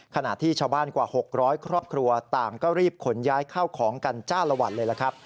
ขณะที่ชาวบ้านกว่า๖๐๐ครอบครัวต่างก็รีบขนย้ายเข้าของกันจ้าละวันเลยล่ะครับ